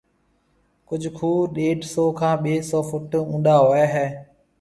ڪجھ کوھ ڏيڍ سئو کان ٻَي سئو فٽ اونڏا ھوئيَ ھيََََ